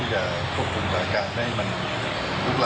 เราต้องพยายามที่จะ๒๐๑๐